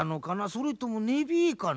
それとも寝冷えかな？